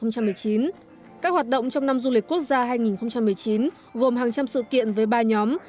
các hoạt động trong năm du lịch quốc gia hai nghìn một mươi chín gồm hàng trăm sự kiện với ba nhóm